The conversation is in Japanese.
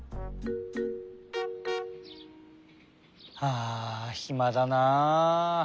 あひまだなあ。